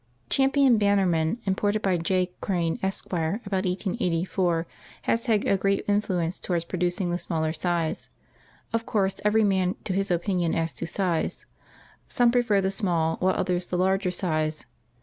Champion Bannerman, imported by J. Crane, Esq., about 1884, has had a great influence towards producing the smaller size. Of course every man to his opinion as to size. Some prefer the small, while others the larger size.